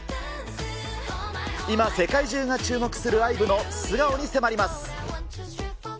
今、世界中が注目するＩＶＥの素顔に迫ります。